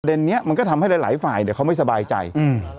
เนี้ยมันก็ทำให้หลายหลายฝ่ายเนี้ยเขาไม่สบายใจอืม